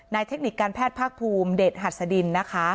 เทคนิคการแพทย์ภาคภูมิเดชหัสดินนะคะ